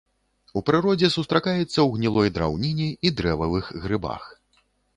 У прыродзе сустракаецца ў гнілой драўніне і дрэвавых грыбах.